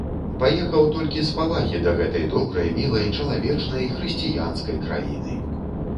Паехаў толькі з павагі да гэтай добрай, мілай, чалавечнай, хрысціянскай краіны!